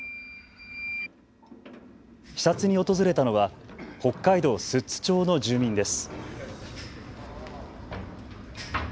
視察に訪れたのは北海道・寿都町の住民です。